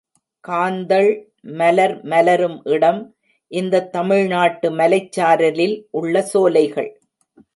காந்தள் மலர் மலரும் இடம் இந்தத் தமிழ்நாட்டு மலைச்சாரலில் உள்ள சோலைகள்.